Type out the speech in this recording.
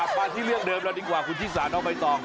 จับมาที่เรื่องเดิมล่ะดีกว่าคุณที่สาวน้องไปต่อ